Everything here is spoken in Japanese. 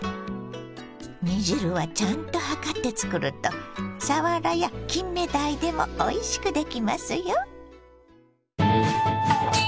煮汁はちゃんと量って作るとさわらやきんめだいでもおいしくできますよ。